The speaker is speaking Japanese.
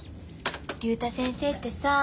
竜太先生ってさ